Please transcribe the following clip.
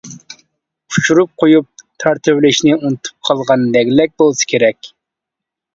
ئۇچۇرۇپ قويۇپ تارتىۋېلىشنى ئۇنتۇپ قالغان لەگلەك بولسا كېرەك.